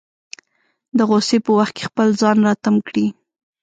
د غوسې په وخت کې خپل ځان راتم کړي.